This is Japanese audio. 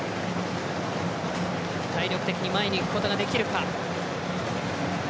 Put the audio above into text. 体力的に前にいくことができるか。